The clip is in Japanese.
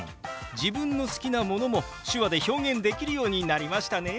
自分の好きなものも手話で表現できるようになりましたね。